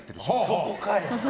そこかい。